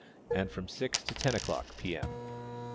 and from six to ten o'clock, P. M.